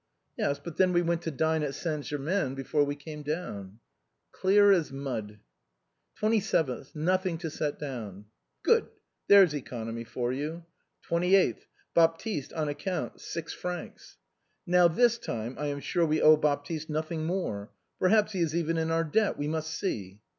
" Yes, but then we went to dine at Saint Germain after we came down." « Clear as mud !"" 27/;?. Nothing to set down." " Good ! There's economy for you." "' 28th. Baptiste, on account, 6 fr.' "" Now this time I am sure we owe Baptiste nothing more Perhaps he is even in our debt. We must see."